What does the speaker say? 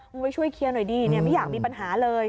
ไปช่วยเคลียร์หน่อยดิไม่อยากมีปัญหาเลย